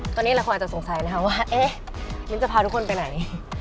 ตอนนี้หลายคนอาจจะสงสัยนะคะว่าเอ๊ะมิ้นจะพาทุกคนไปไหน